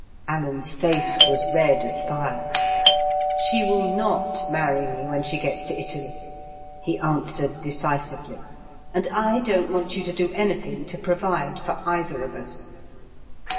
Alan's face was red as fire. "She will not marry me when she gets to Italy," he answered decisively. "And I don't want you to do anything to provide for either of us."